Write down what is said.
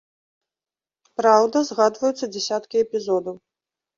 Праўда, згадваюцца дзясяткі эпізодаў.